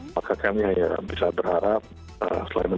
maka kami bisa berharap selain itu